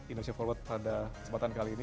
indonesia forward pada kesempatan kali ini